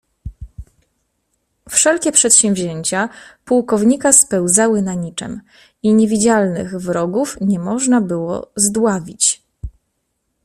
"Wszelkie przedsięwzięcia pułkownika spełzały na niczem i niewidzialnych wrogów nie można było zdławić."